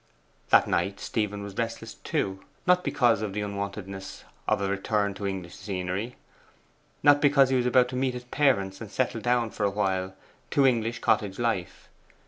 That night Stephen was restless too. Not because of the unwontedness of a return to English scenery; not because he was about to meet his parents, and settle down for awhile to English cottage life.